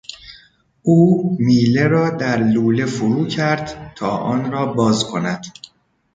او میله را در لوله فرو کرد تا آن را باز کند.